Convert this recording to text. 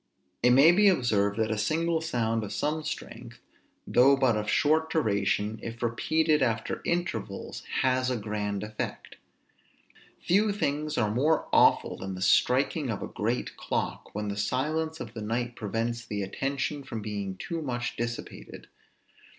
It may be observed that a single sound of some strength, though but of short duration, if repeated after intervals, has a grand effect. Few things are more awful than the striking of a great clock, when the silence of the night prevents the attention from being too much dissipated.